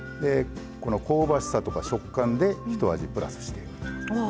この香ばしさとか食感でひと味プラスしていくと。